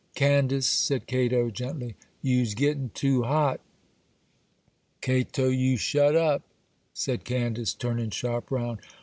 'Candace,' said Cato, gently, 'you's gettin' too hot.' 'Cato, you shut up!' said Candace, turning sharp round.